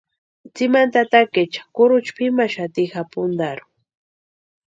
Tsimani tatakaecha kurucha pʼimaxati japuntarhu.